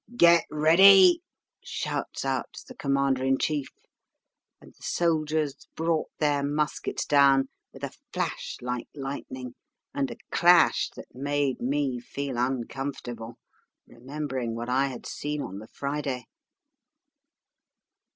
"'Get ready,' shouts out the commander in chief; and the soldiers brought their muskets down with a flash like lightning, and a clash that made me feel uncomfortable, remembering what I had seen on the Friday.